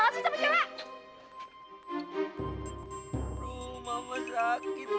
kamu mau ke rumah sakit